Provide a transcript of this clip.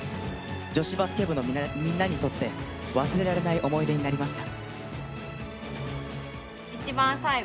女子バスケ部のみんなにとって忘れられない思い出になりました。